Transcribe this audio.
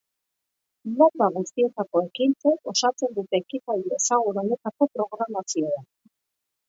Mota guztietako ekintzek osatzen dute ekitaldi ezagun honetako programazioa.